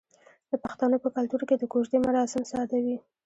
د پښتنو په کلتور کې د کوژدې مراسم ساده وي.